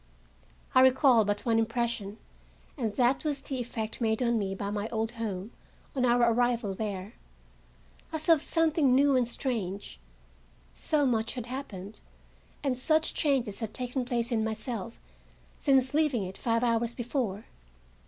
I recall but one impression, and that was the effect made on me by my old home on our arrival there, as of something new and strange; so much had happened, and such changes had taken place in myself since leaving it five hours before.